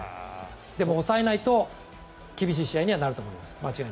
でも、抑えないと厳しい試合にはなると思います。